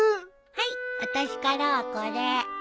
はいあたしからはこれ。